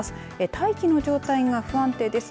大気の状態が不安定です。